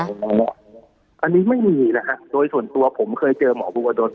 อันนี้ไม่มีนะครับโดยส่วนตัวผมเคยเจอหมอภูวดล